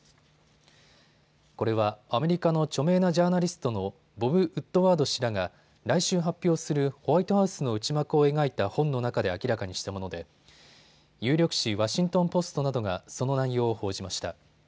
これはアメリカの著名なジャーナリストのボブ・ウッドワード氏らが来週発表するホワイトハウスの内幕を描いた本の中で明らかにしたもので有力紙ワシントン・ポストなどがその内容を報じました。